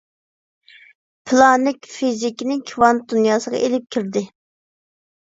پىلانىك فىزىكىنى كىۋانت دۇنياسىغا ئېلىپ كىردى.